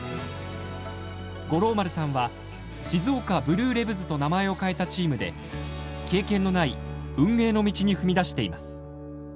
五郎丸さんは静岡ブルーレヴズと名前を変えたチームで経験のない運営の道に踏み出しています。